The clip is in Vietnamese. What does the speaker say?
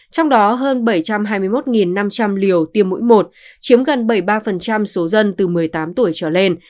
trong đó hơn bảy trăm hai mươi một năm trăm linh liều tiêm mũi một chiếm gần bảy mươi ba số dân từ một mươi tám tuổi trở lên